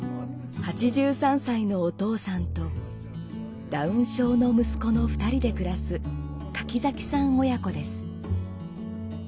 ８３歳のお父さんとダウン症の息子の２人で暮らす柿崎さん親子です。